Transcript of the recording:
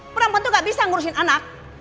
perempuan tuh gak bisa ngurusin anak